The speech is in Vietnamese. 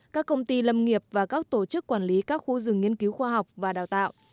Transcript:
các công ty lâm nghiệp và các tổ chức quản lý các khu rừng nghiên cứu khoa học và đào tạo